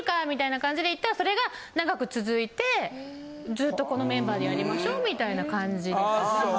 みたいな感じで行ったらそれが長く続いてずっとこのメンバーでやりましょうみたいな感じでしたね。